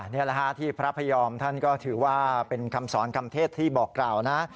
นี่แหละฮะที่พระพยอมท่านก็ถือว่าเป็นคำสอนคำเทศที่บอกกล่าวนะ